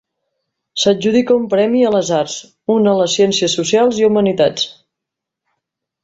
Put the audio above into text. S'adjudica un premi a les arts, un a les ciències socials i humanitats.